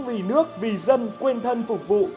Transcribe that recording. vì nước vì dân quên thân phục vụ